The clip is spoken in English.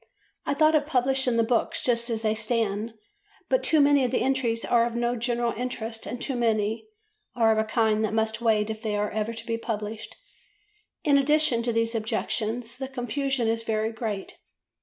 I thought of publishing the books just as they stand, but too many of the entries are of no general interest and too many are of a kind that must wait if they are ever to be published. In addition to these objections the confusion is very great.